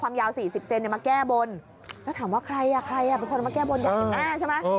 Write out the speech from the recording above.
ความยาว๔๐เซนติมาแก้บนแล้วถามว่าใครอ่ะเป็นคนมาแก้บนอยากเป็นแน่ใช่ไหม